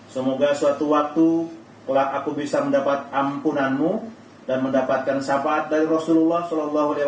semoga suatu waktu aku bisa mendapat ampunanmu dan mendapatkan syafaat dari rasulullah saw